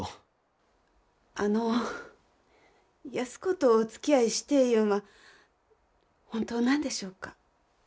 あの安子とおつきあいしてえいうんは本当なんでしょうか？